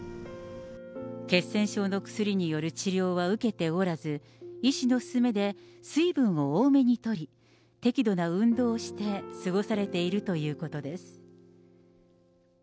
血栓症の薬による治療は受けておらず、医師の勧めで水分を多めにとり、適度な運動をして過ごされているということです。